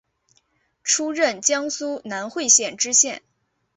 出任江苏南汇县知县。